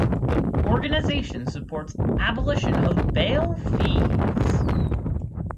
The organization supports abolition of bail fees.